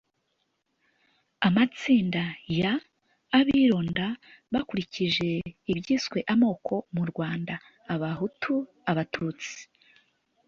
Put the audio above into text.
amatsinda y abironda bakurikije ibyiswe amoko mu rwanda abahutu abatutsi